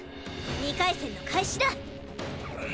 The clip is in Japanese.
２回戦の開始だ！